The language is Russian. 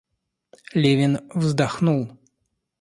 Левин вздохнул.